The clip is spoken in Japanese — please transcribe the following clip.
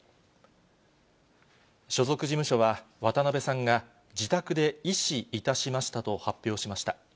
所属事務所は、渡辺さんが自宅で縊死いたしましたと発表しました。